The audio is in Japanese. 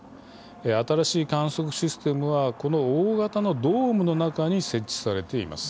新しい観測システムはこの大型のドームの中に設置されています。